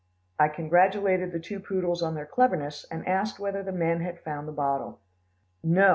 I congratulated the two poodles on their cleverness, and asked whether the men had found the bottle. "No.